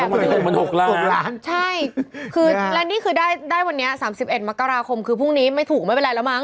๖ล้านใช่และนี่คือได้วันนี้๓๑มกราคมคือพรุ่งนี้ไม่ถูกไม่เป็นไรแล้วมั้ง